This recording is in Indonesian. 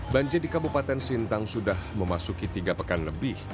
banjir di kabupaten sintang sudah memasuki tiga pekan lebih